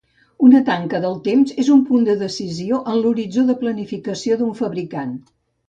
Una tanca del temps és un punt de decisió en l'horitzó de planificació d'un fabricant.